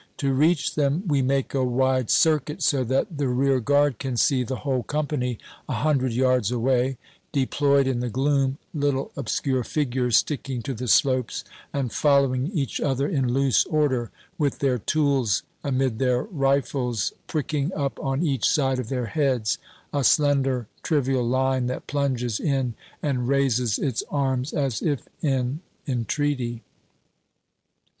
To reach them we make a wide circuit, so that the rearguard can see the whole company, a hundred yards away, deployed in the gloom, little obscure figures sticking to the slopes and following each other in loose order, with their tools amid their rifles pricking up on each side of their heads, a slender trivial line that plunges in and raises its arms as if in entreaty.